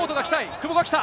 久保が来た。